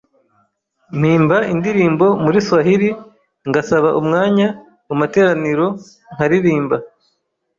mpimba indirimbo muri swahili, ngasaba umwanya mu materaniro nkaririrmba